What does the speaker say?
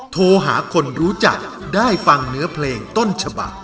โทรหาคนรู้จักได้ฟังเนื้อเพลงต้นฉบัก